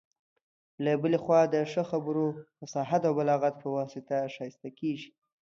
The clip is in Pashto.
له بلي خوا د ښه خبرو، فصاحت او بلاغت په واسطه ښايسته کيږي.